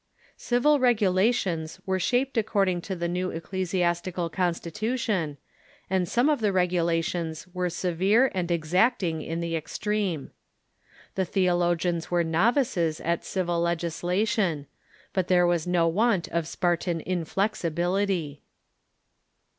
Civil regulations were shaped according to the new ecclesias tical constitution, and some of the regulations were severe and exacting in the extreme. The theologians were novices at civil legislation, but tliere was no want of Spartan inflexibility.